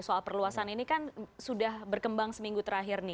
soal perluasan ini kan sudah berkembang seminggu terakhir nih